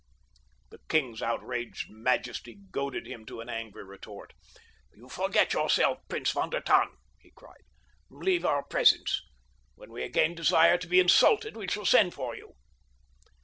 The king's outraged majesty goaded him to an angry retort. "You forget yourself, Prince von der Tann," he cried. "Leave our presence. When we again desire to be insulted we shall send for you."